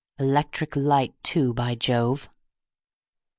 Electric light, too, by Jove!"